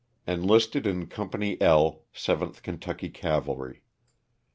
Enlisted in Company L, 7th Kentucky Cavalry.